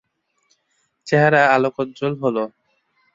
চেহারা আলোকোজ্জ্বল হল।